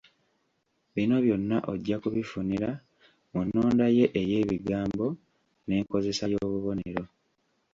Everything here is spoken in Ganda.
Bino byonna ojja kubifunira mu nnonda ye ey’ebigambo, nenkozesa y’obubonero